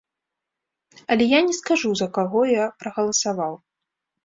Але я не скажу, за каго я прагаласаваў.